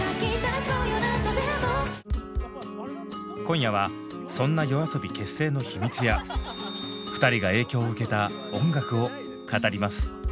今夜はそんなＹＯＡＳＯＢＩ結成の秘密や２人が影響を受けた音楽を語ります。